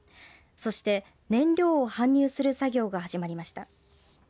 そして、燃料を搬入する作業が始まりました。